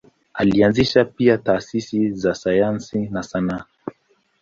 Alianzisha pia taasisi za sayansi na sanaa.